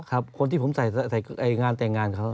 คนที่ผมใส่งานแต่งงานเขา